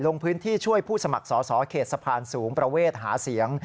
ลงพื้นที่ช่วยผู้สมัครสอสอเขตสะพานสูงประเวทหาเสียง